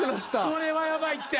これはやばいって。